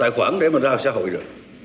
tài khoản để mà ra xã hội rồi